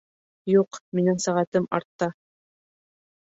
Юҡ, минең сәғәтем артта